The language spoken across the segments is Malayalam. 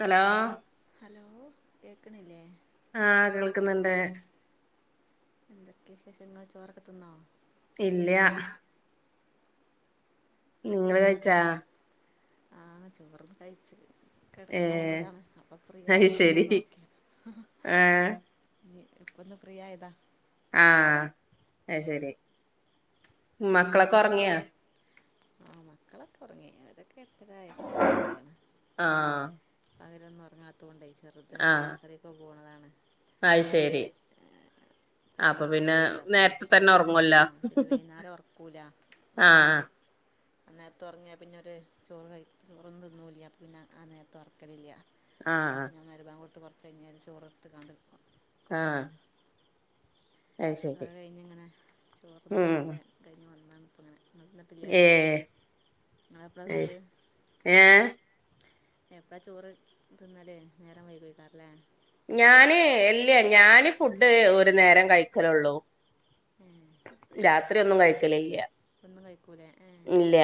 ഹലോ ഹലോ കേൾക്കണില്ലേ ആഹ് കേൾക്കുന്നുണ്ട് എന്തൊക്കെ വിശേഷങ്ങൾ ചോറൊക്കെ തിന്നോ ഇല്ല നിങ്ങള് കഴിച്ചാ ആ ചോറൊക്കെ കഴിച്ചു കെടക്കാൻ ഏഹ് വന്നതാണ് അപ്പൊ ഫ്രീ അത് ആയപ്പോ ഇങ്ങനെ ശരി നോക്കി ഏഹ് ഇപ്പ ഒന്ന് ഫ്രിയായതാ ആ അഅ് ശരി മക്കളൊക്കെ ഉറങ്ങിയോ ആ മക്കളൊക്കെ ഉറങ്ങി ഓലൊക്കെ എട്ടരായപ്പന്നെ ഉറങ്ങിക്ക്ണ് ആഹ് ഇന്ന ഉറങ്ങാത്തോണ്ട് ചെറുത് പ്പോ നഴ്സറിക്കൊ പോണതാണ് അഹ് ശരി പകൽ അപ്പൊ പിന്നെ ഉറങ്ങലില്ലല്ലോ അപ്പ നേരത്തെ തന്നെ ഉറങ്ങുവല്ലോ ആ പിന്നെ വൈകുന്നേരം ഉറക്കൂല ആ ആ ആ നേരത്ത് ഉറങ്ങിയാ പിന്നെ ഒരു ചോറ് കഴി ചോറെന്നും തിന്നൂല്ല പിന്നെ ആ നേരത്തെ ഉറക്കലില്ല ആ ആ ചനിയേന് ചോറ് എടുത്ത്ക്കാണ്ട് ആ അത് കഴിഞ്ഞ് ഇങ്ങനെ ചോറ്ന്ന് എല്ല കഴിഞ്ഞ് വന്നതാണ് ഇപ്പ ഇങ്ങനെ നിങ്ങൾ തിന്നിട്ടില്ലേ ഏ നിങ്ങളെപ്പോഴാണ് ഏ എപ്പാ ചോറ് തിന്നാല് നേരം വൈകോയിക്കാറല്ലേ ഞാന് ഇല്ലയ ഞാന് ഫുഡ് ഒരു നേരം കഴിക്കലള്ളൂ ഏ രാത്രി ഒന്നും കഴിക്കല് ല്ല ഒന്നും കഴിക്കൂലേ ഏ ഇല്ല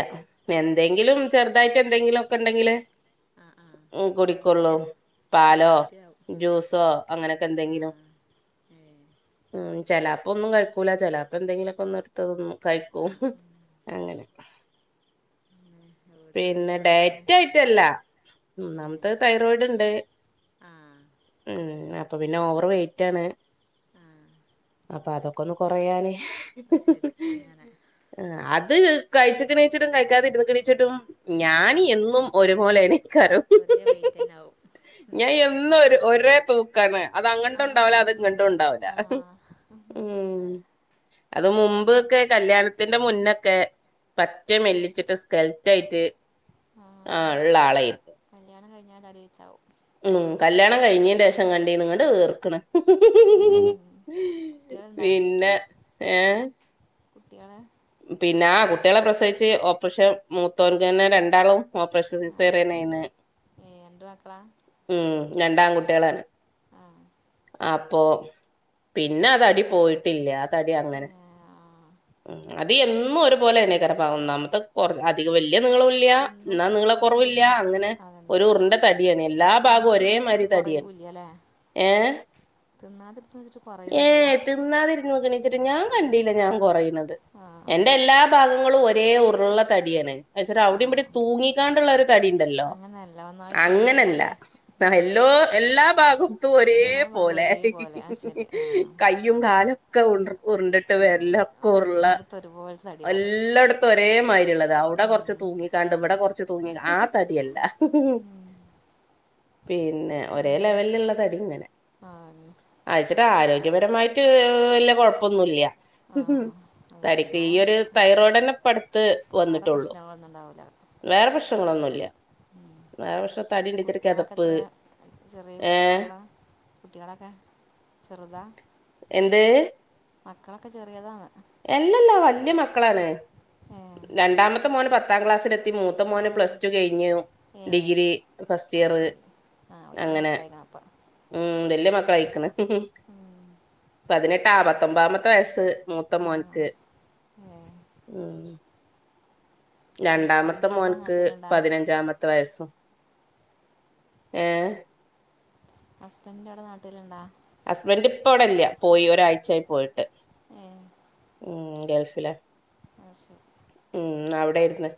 എന്തെങ്കിലും ചെറുതായിട്ട് എന്തങ്കിലൊ ക്കെ ണ്ടെങ്കില് ആ ആ ഉം കുടിക്കൊള്ളൂ ഡയറ്റാ പാലോ ഡയറ്റ് ആവും ജ്യൂസോ അങ്ങനൊക്കെ ആ എന്തെങ്കിലും ഏ ഉം ചെല പ്പം ഒന്നും കഴിക്കൂല ചെലപ്പം എന്തെങ്കിലുമൊക്കെ ഒന്ന് എടുത്തതൊന്നും ആ കഴിക്കും അങ്ങനെ മ് പിന്നെ ഡയറ്റ് ആയിട്ടല്ല ഏ ഒന്നാമത് തൈറോയിഡ് ഉണ്ട് ആ ഉം അപ്പൊ പിന്നെ ഓവർ വെയ്റ്റ് ആണ് ആ അപ്പൊ അതൊക്കെ ഒന്ന് കൊറയാന് അത് ശരി അങ്ങനെ അത് കഴിച്ചിട്ടും നീച്ചിട്ടും കഴിക്കാത ഇരുന്ന്കണീച്ചിട്ടും ഞാന് എന്നും ഒരുപോലെണ് ഒരേ വെയിറ്റ് തന്നെ ആവും ഞാൻ എന്നും ഒരേ തൂക്കാണ് അത് അങ്ങട്ടും ഉണ്ടാവല അത് ഇങ്ങട്ടും ഉണ്ടാവല ഉം അത് മുമ്പൊക്കെ കല്യാണത്തിന്റെ മുന്നൊക്കെ പറ്റ മെല്ലിച്ചിട്ട് സ്കല് റ്റായിട്ട് ആ ഉള്ള ആളായിരുന്നു ഞാൻ തടയിച്ചാവും ഉം കല്യാണം കഴിഞ്ഞന്റെ ശേഷം കണ്ടീന്നങ്ങണ്ടവീർക്കണ് കുട്ടികളുണ്ടോ പിന്നെ ഏ കുട്ട്യാളെ പിന്നെ ആ കുട്ടികളെ പ്രസവിച്ച് ഒപ്പറഷം മൂത്തോ ന്റെനെരണ്ടാളും ആ ഓപ്പറേഷൻസിസിസേറിയനായിനി ഏ രണ്ട് മക്കളാ ഉം രണ്ട് ആൺ കുട്ടിയോളെ ആ അപ്പൊ പിന്നെ അതടി പോയിട്ടില്ലേ അതടി അങ്ങനെ ഉം അത് എന്നും ഒരുപലെണീക്ക ഒന്നാമത്തെ കുറ അധിക വ ല്യ നീളോ ഇല്ല തിന്നു എന്നാ വെച്ചിട്ട് നീളെ ഏറൂല്ല കുറവില്ല തിന്ന് അങ്ങനെ അതന്നെ ഒരു ഉറ്ന്റെ തടിയാണ് എല്ലാ ഭാഗവും ഒരേമാതിരി കൊറയൂ ല്ലല്ലേ ഏ തിന്നാതി എടുത്ത വെച്ചിട്ട് കുറയൂല്ല തിന്നാതിരുന്ന് നോക്കണച്ചിട്ട് ഞാൻ കണ്ടില്ല ഞാൻ കുറയുന്നത് ആ എന്റെ എല്ലാ ഭാഗങ്ങളും ഒരേ ഉരുള തടിയാണ് അച്ചറ ആ അവിടെ ഇവിടെ തൂങ്ങിക്കാണ്ടുള്ള ഒരു തടി ഉണ്ടല്ലോ അങ്ങനെയല്ല ഒന്നായിട്ട് അങ്ങനല്ല ഒരേപോലെ നല്ലേ എല്ലാ ഭാഗത്തു ഒരേ എല്ലാ ഭാഗവും പോലെ ഒരേപോലെ ആ ശരി ആ കയും കാലും ഒക്കെ ഉരുണ്ടിട്ട് വെറ്ല്ലെക്കെ ഉരുള്ള പോലെതെ എല്ലായിടത്തും ഒരേ മാതിരി ഉള്ളതാ അവിടെ കുറച്ച് തൂങ്ങിക്കാണ്ട് ഇവിടെ കുറച്ച് തൂങ്ങി ആ തടിയല്ല ഉ [unintelligible] പിന്നെ ഒരേ ലെവലിലുള്ള തടി ഇങ്ങനെ ആ അയച്ചിട്ട് ആരോഗ്യ ഗ്യ പരമായിട്ട് വല്ല കുഴപ്പമൊന്നുമല്ല ആ അതെ തടിക്ക് ഈ എന്നാൽ ഒരു തൈറോയ്ഡന്നെ പ്പ ടുത്ത് വേറെ വന്നിട്ടുള്ളു പ്രശ്നങ്ങളൊന്നും ഉണ്ടാവില്ല വേറെ പ്രശ്നങ്ങളൊന്നുല്ല വേറെ പ്രശ്നം തടിണ്ട് വെച്ചിട്ട് കുട്ടികളൊക്കെ കെതപ്പ് എത്ര ചെറിയ ഏ കുട്ടി മക്കളാണ് കുട്ടികളൊക്കെ ചെറുതാണ് എന്ത് മക്കളൊക്കെ ചെറിയതാണ് എല്ലല്ലാ വല്യ മക്കളാണ് ഏ രണ്ടാമത്തെ മോന് പത്താം ക്ലാസ്സില് എ തി മൂത്ത ആ മോന് പ്ലസ് ടു കഴിഞ്ഞു ഏ ഡിഗ്രി അത് ഫസ്‌റ്റിയറ് ശരി ആ വല്യ മക്കളായീക്കണപ്പ മ് വല്യ മക്കളായീക്കണ് ഉം. പതിനെട്ടാ പത് ത്തൊമ്പാമത്തെ വയസ്സ് മൂത്ത ആ മോൻക്ക് ഏ മ് രണ്ടാമത്തെ ഹസ്ബൻഡ് അവിടെ മോന്ക്ക് നാട്ടിലുണ്ടോ പതിനഞ്ചാമത്തെ വയസ്സും ഏ ഹസ്ബന്റവിടെ നാട്ടിലുണ്ടാ ഹസ്ബന്റ് ഇപ്പൊ ഇവിടെല്ല്യ പോയി ഒരാഴ്ചയായി പോയിട്ട് മ് ഉം ഗൾഫിലാ ഉം അവിടേര്ന്ന്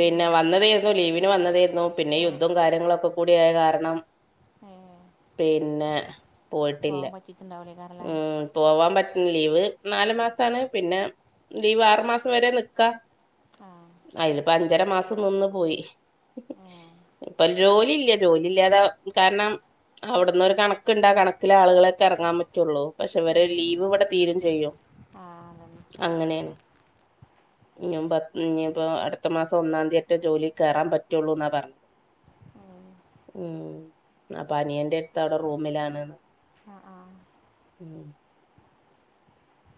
ഉം. വന്നതേയൊരു ലീവിന് വന്നതേയിരുന്നു പിന്നെ ആ യുദ്ധോം കാര്യങ്ങളൊക്ക കൂടി ആയ കാര ണം ഏ പിന്നെ പോയിട്ടില്ല പോകാൻ പറ്റിയിട്ടുണ്ടാവില്ലേ കാറല്ലേ ഉം പോവാൻ പ ലീവ് നാല് മാസാണ് പിന്നെ ലീവ് ആറു മാസം വരെ നിക്കാ ആ അയിലിപ്പ അഞ്ചര മാസം നിന്ന് പോയി ഇപ്പ ജോലി ഇല്ല ജോലി ഇല്ലാതെ കാരണം അവിടന്ന് ഒരു കണക്ക്ണ്ടാ കണ ത്തില ആളുകളൊക്കെ എറങ്ങാൻ പറ്റൊള്ളൂ പക്ഷെ ഏ ഇവരെ ഏ ലീവ് ഇവടെ തീരേം ചെയ്യും ആ അതന്നെ അങ്ങനേണ് ഇനിയുമ്പ ഇനിയിപ്പോ അടുത്ത മാസം ഒന്നാം തീയറ്റ ജോലി കേറാൻ പറ്റുള്ളൂ എന്നാ പറ [inaudible] മ് അപ്പ അനിയന്റെത്ത് അവിട റൂമിലാണ് അ ആ ഉം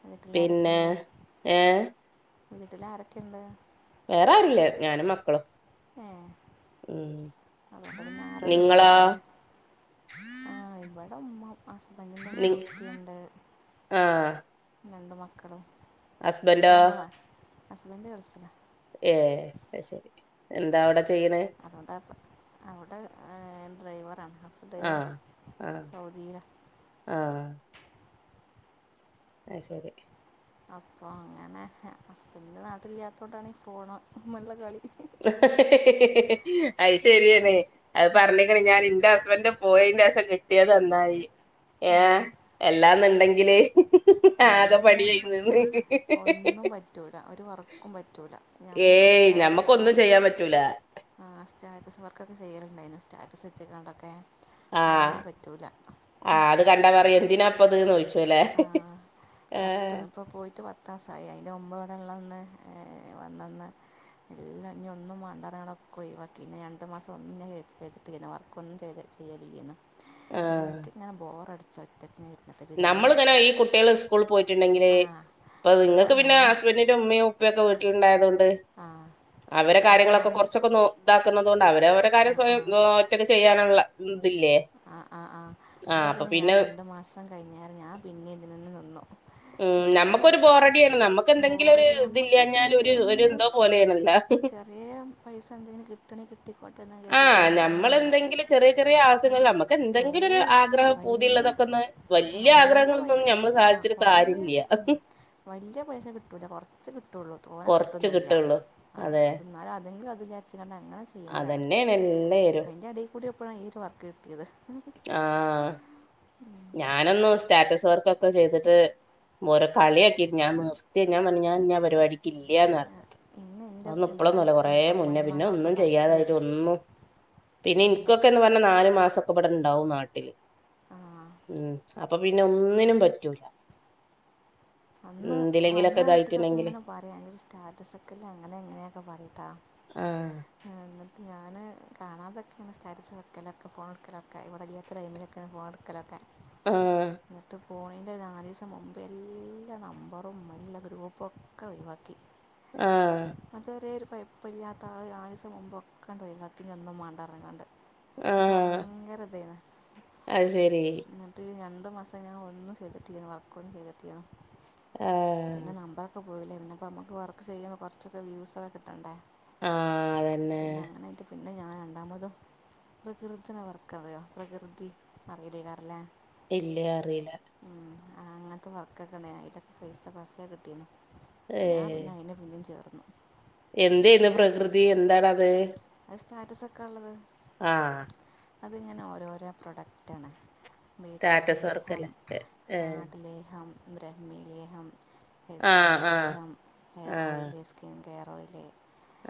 വീട്ടിലാരൊക്കെ പിന്നെ ഏ വീട്ടിലാരൊക്കെണ്ട് വേറെ ആരുല്ല ഞാനും മക്കളും ഏ മ് അതുകൊണ്ട് പിന്നെ ആരതും നിങ്ങളാ ഇല്ലല്ലോ അല്ലേ ആ ഇവടെ ഉമ്മൊ ഹസ്ബന്റിന്റെ നി ഉമ്മേ ഉപ്പി ഇണ്ട് ആ അസ്ബന്റോ അസ്‌ബന്റ് ഗൾഫിലാ ഏ അയ്ശരി എന്താ അവടെ ചെ അതുകൊണ്ടാക്കും അവ്ടെ ഡ്രൈവ ആ ആ സൗദിയിലാണ് ആ അയ് ശരി അപ്പൊ അങ്ങനെ ഹസ്ബന്റ്ന് നാട്ടിലില്ല്യാത്തോണ്ടാണ് ഈ ഫോണ് മ്മ്ള്ള കളി അയ് ശരിയാണ് അത് പറഞ്ഞേക്കണം ഞാനിന്റെ ഹസ്ബന്റ് പോയേന്റേഷം കി ട്ടിയതന്നായി ഏ ഉം. എല്ലാന്നുണ്ടെങ്കില് ആകെ അല്ലെങ്കില്ന്റ പണിയായി ഹസ്ബന്റിന് നിന്ന് ഒന്നും പറ്റൂല ഒരു വർക്കും പറ്റൂല ഏയ് ഞമ്മക്കൊന്നും ചെയ്യാൻ പറ്റൂല സ്റ്റാറ്റസ് വർക്കൊക്കെ ചെയ്യലുണ്ടായിന്നു സ്റ്റാറ്റസ് വച്ചേകൊണ്ടൊക്കെ ആ ആ അത് കണ്ടാ പറയും എന്തിനാപ്പത് ന്ന് ഒയിച്ചു ആ പത്ത് അപ്പൊ പോയിട്ട് പത്താസായി അയിന്റ മുമ്പ ള്ളൊന്ന് വന്നന്ന് ഇല്ലാ ഇനി ഒന്നും മാണ്ടാ അതാ ഞാനതൊക്ക ഒഴിവാക്കി ഇനി രണ്ടു മാസം ഒന്നും ഞാ എ ചെയ്തിട്ടിര്ന്ന് വർക്ക് ഒന്നും ചെയ്ത് ചെയ്യലും എന്ന ആ എനക്ക് ഇങ്ങനെ ബോർ അടച്ച ഒറ്റ പിെ ഇരുന്നിട്ട് ഒരു രാന്തടച്ച നമ്മളിങ്ങനെ ഈ കുട്ടികൾ സ്കൂളിൽ പോയിട്ടുണ്ടെങ്കില് അപ്പൊ അപ്പോൾ നിങ്ങക്ക് പിന്നെ ഞാൻ ഹസ്ബൻഡിന്റെ ഉമ്മയും ഉപ്പൊക്കെ ണ്ടായതൊണ്ട് ആ അവടെ അപ്പം കാര്യങ്ങളൊക്കെ ഞാൻ കുറച്ചൊക്കെ ഇതാക്കുന്നതണ്ട് അവര് അവരുടെ ആ കാര്യം ആ സ്വയം ഒറ്റക്കക്ക് ചെയ്യാനുള്ള ഉ ആ ആ് ആഹ് അപ്പൊ പിന്നെ ഞാൻ രണ്ടു മാസം കഴിഞ്ഞരം ഞാൻ പിന്നെ ഇതിൽ നിന്ന് നിന്നു ഉം ഞാൻ നമുക്കൊരു ബോറടിിയാണ് നമുക്ക് എന്തെങ്കിലും ഒരു ബോറടി നമുക്ക് ഇതില്ലഞ്ഞാൽ പിന്നെ ഒരു എന്തെങ്കിലും എന്തോ പോലെയണല്ലോ ചെറിയ പൈസ എന്തെങ്കിലും കിട്ടണേ കിട്ടി ആഹ നഞമ്മൾ എന്തെങ്കിലും ചെറിയ ചെറിയ ആ ആ്യിൽ നമുക്ക് എന്തെങ്കിലും ഒരു തോനെ ആഗ്രഹം വലിയ പൂതിയുള്ളള്ളതൊക്കെ ഒന്ന് ആ വലിയ ആഗ്രഹങ്ങള പൈസ നമ്മൾ ആ സാധിച്ചി കുറേ കാര്ില്ല ഉം, വലിയ പൈസ കിട്ടൂല കുറച്ച് കിട്ടയുള്ളൂ തോനെ കൊറച്ച് കിട്ടൊന്നില്ല കിട്ടുള്ളൂ ആ അത് എന്നാലും അതെിലും അത് വിചാരിച്ച കണ്ട അതന്നെ നല്ലായിരും ഇപ്പോഴാണ് ഈ ഒരു വർക്ക് കിട്ടിയത് ആഹ ഞാനൊന്നു സ്റ്റാറ്റസ് വർക്കൊക്കെ ചെയ്തിട്ട് ഓരോ കളിയാക്കിട്ട ഞൻ നിർത്തി ഞാൻ പറ ഞാ ഞാ പപടിിക്കല്ലയന്ന്ഞ്ഞ ഇന്ന് എൻ്റെ അതന്ന ഇവിടെ ഇപ്പളൊന്നുംല്ല കൊറ മുന്നേ പിന്നെ അമ്മായിമ്മക്കൊക്കെ ഒന്നും ചെയ്യാതായിട്ടും പറച്ചിലായിരുന്നു ഒന്നും പിന്നെ ഇനിക്കൊക്കെ എന്ന് പറഞ്ഞാ നാല് മാസമൊക്കെ ഇവിടെ ഇണ്ടാവും നാട്ടില് ആ ഉം അപ്പൊ പിന്നെ ഒന്നിനും പറ്റൂല വന്ന് വന്ന എന്തിലെങ്കിലൊക്കെ ആട്ടിക്കൊക്കെ ഇതായിട്ടുണ്ടെങ്കില് ഇങ്ങനെ പറയാ എന്റെ ഒരു സ്റ്റാറ്റസ ഒക്കെല്ല അങ്ങനെ എങ്ങനെയൊക്കെ പറയട്ടാ ആഹ് ആ ഞൻ കാണാതൊക്കെയാണ്റ്റാരിച്ച വക്കലൊക്കെ ഫോൺ എടുക്കലൊക്കെ ഇവിടെ അല്ലിയാത്ത ടൈമിലൊക്കെയാണ് ഫോൺ എടുക്കലൊക്കെ ആഹ എന്നിട്ട് ഫോണിൻ്റെ നാല് ദിവസം മുമ്പ് എല്ലാ നമ്പറും എല്ല ഗ്രൂപ്പുംൊക്കെ ഒഴിവാക്കി ആഹ അപ്പോൾ എപ്പം ഇാത്ത ആൾ ആാവു്യം മുമ്പ്ൊക്കണ്ടണ്ട് വര കത്തിനൊന്നും മണ്ടിറങ്ങാണ്ട് ഇട്ടക്ക് ആഹ് ഭയങ്കര ഇതായിന്ന അത് ശരി എന്നിട്ട് ഞ ഒരു മാസ ഞങ്ങള ഒന്ന ചെയ്തിട്ടരിക്കരുന്നു വർക്ക് ഒന്നന്ന് ചെയ്തിട്ട്ാണ് ആഹ പോലേ പിെ അം നമുക്ക് വർക്ക് ചെയ്യുമ്പോൾ കുറച്ചൊക്കെ്യൂൊക്കെ കിട്ടണ്ടേ ആഹ് അതന്നെ പിന്നെ അങ്ങനൊയിട്ട് പിന്നെ അ ഞാൻ രണ്ടാമതോ പ്രകൃതിന വർക്കറിയോ പ്രകൃതി അറിയില്ലക്കാറല്ലേ ഇല്ലേ അറിയില്ല ആ അങ്ങനത്തെ വർക്കൊക്കണേ അതിലൊക്കെ പൈസ കുറച്ച കിട്ടീന്ന് ഞാൻ പിന്നെ അതിനെ പിന്ന ചേർന്നു എന്ത ഇന്ന് പ്രകൃതി എന്തണ അത് സ്റ്റാറ്റസ് ഒക്കെ ഉള്ളത് ആഹ അത്ങ്ങനെ ഓരോരോ പ്രൊഡക്റ്റ് ആണ് വേട്ടോട്ട് സ്റ്റാറ്റസ് ലേഹം വർക്കല്ലേ ഏഹ് ആടലേഹം ബ്രഹ്മി ലേഹം എത്ര ആഹ് ആഹ് അറഹം hair oil skin care oil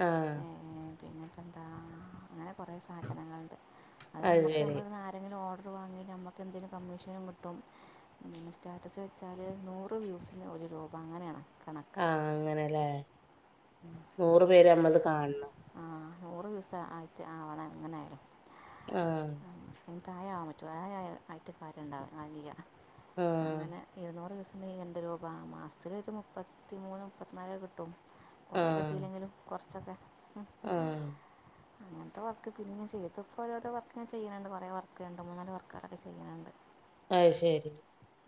ആഹ പിന്നെ ഇപ്പോൾ എന്താ അങ്ങനെ കുറേ സാധനങ്ങളുണ്ട് അത് നമുക്ക് നമ്മൾന്ന് ആരെങ്കിലും ഓർഡർ വങ്ങി ന നമുക്ക് എന്തേങ്കിലും കമ്മീഷനും കിട്ടും സ്റ്റാറ്റസ് വെച്ചാൽ നൂറ് വ്യൂസിന് ഒരു രൂപ അങ്ങനെയാണ് കണക്ക് ആഹ് അങ്ങനെല്ലേ നൂറ് പേര് അമ്മത് കാണണം ആഹ് നൂറ് വ്യൂസ് ആയിട്ട് ആവണം അങ്ങനൊയാലും ആഹ് അങ്ങന താഴെ ആകൻ പറ്റോ താഴെ ആയിട്ട് കാര്യം ഉണ്ടാവുക അ ചെയ്യുക ആഹ് അങ്ങനെ ഇരുന്നൂറ് ദിവസം അന്ന് രണ്ട് രൂപ മാസത്തിലൊരു മുപ്പത്തി മൂന്ന് മുപ്പത്തിനാല് കിട്ടും കൊറെേ ആഹ് കിട്ടീയില്ലെങ്കിലും കൊറച്ചൊക്കെ ആഹ് അങ്ങനത്തെ വർക്ക് പിന്നാ ചെയ്തപ്പോ രോരോ വർക്ക് ഞാൻ ചെയ്യണണ്ട് കുറെ വർക്ക് ഉണ്ട് മൂന്നാല് വർക്കുകളൊക്കെ ചെയ്യറിണ്ട് അയ്ശരി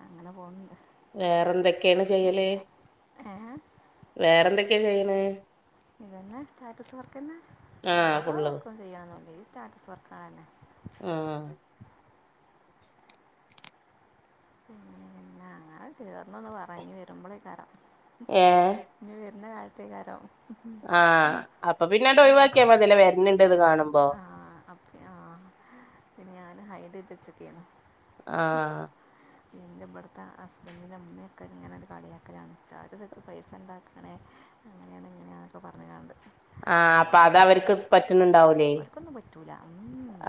അങ്ങനെ പോകുന്നില്ല വേറെ എന്തൊക്കെയാണ് ചെയ്യല് ഏ വേറെന്തൊക്കെയാ ചെയ്യണ് ഇതന്നെ സ്റ്റാറ്റസ് വർക്കതന്നെ ആഹ് ഫുള്ളും വേറൊരുവർക്കും ചെയ്യണില്ല ഈ സ്റ്റാറ്റസ് വർക്ക് ആണ് തന്നെ ആ പിന്നന്നെ അങ്ങനെ ചേർന്നത് പറ ഇനി വരുമ്പോളേ തരാം ഏ എന്ന കാലത്തേ കാര്യം ആഹ് അപ്പൊ പിന്നൊ ഒഴിവാക്കിയാ മതിലെ വരണ്ട് ത് കാണുമ്പോ ആ ഹ ഇത് ഇച്ചൊക്കെയാണ് ആ എൻ്റെ ഇവിടുത്തെ ഹസ്ബൻഡിൻ്റെ അമ്മയൊക്കെ ഇങ്ങനെ ഒരു കളിയാക്കരാണ് സ്റ്റാറ്റസിട്ട് വെച്ച് പൈസ ഉണ്ടാക്കണേ അങ്ങനെയാണ് ഇങ്ങനെയാെന്നൊക്കെ പറഞ്ഞു കാണ്ട് ആ അപ്പൊ അത് അവർക്ക് പറ്റുന്നുണ്ടാവലേ ഓർക്കൊന്നും പറ്റില്ല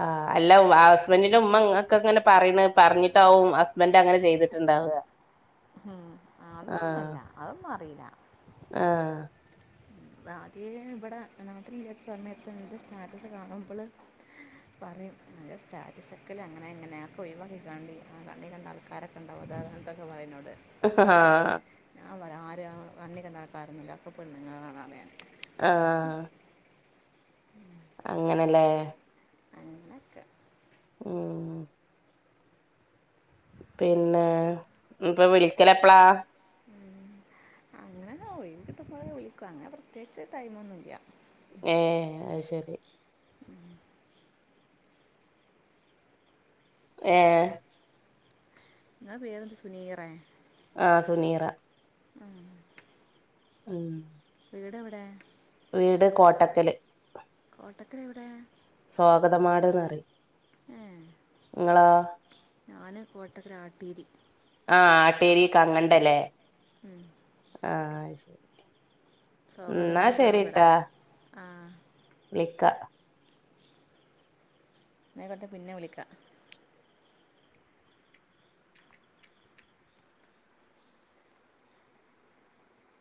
ആ അല്ല ആ ഹസ്ബൻറിന്റെ ഉമ്മ നിങ്ങ നക്കങ്ങനെ പറയ പറഞ്ഞിട്ടാവും ഹസ്ബൻറ്റ് അങ്ങനെ ചെയ്തിട്ടുണ്ടാവുക ഉം അതൊന്നുമല്ല അതൊന്നും അറിയില്ല ആ ആദ്യ ഇവിടെ രാത്രി ഇല്ലാത്ത സമയത്ത് എന്റെ സ്റ്റാറ്റസ് കാണുമ്പോൾ പറയും അ സ്റ്റാറ്റസ ഒക്കെല്ല അങ്ങനെ എങ്ങനെയൊക്കെ പോയി പറ കണ്ടി ആ കണ്ണി കണ്ട ആൾക്കാരൊക്കെ ഉ ഉണ്ടാവും സാധാരണ തൊക്ക പറയുന്നോട് ആഹ് ആ വരാം ആരും കണ്ണി കണ്ടാക്കാരൊന്നില്ല അക്കപ്പോഴും നിങ്ങളാണ് അറിയൻണ്ടത് ആ അങ്ങനെല്ലേ അനക്ക് ഉം പിന്നെ ഇപ്പൊ വിളിക്കലപ്പളാ അങ്ങനെ ഒഴിവ് കിട്ടുമ്പോഴേ വിളിക്കും അങ്ങനെ പ്രത്യേകിച്ച് ടൈമൊന്നുമില്ല ഏഹ് അത് ശരി ഉം ഏ നിങ്ങളെ പേരെന്ത സുനീറെ ആഹ് സുനീറ ഉം വീട് എവിടെ വീട് കോട്ടക്കല് കോട്ടക്കൽ എവിടെയാ സ്വാഗതമാട്ന്ന്റി ഏ നിങ്ങളോ കോട്ടക്കരാട്ടിരി ആഹ് ആട്ടേരി കങ്ങണ്ടല്ലേ ഉം ആ ശരി ന്നാ സ്വാഗതമ്മയുടെ ആ ശരിട്ടാ വിടാം ആ വിളിക്ക എന്ന അയ്ക്കോട്ടെ പിന്നെ വിളിക്കാം